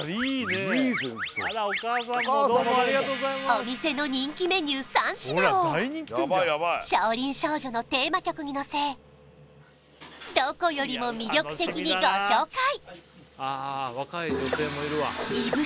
お店の人気メニュー３品を「少林少女」のテーマ曲にのせどこよりも魅力的にご紹介！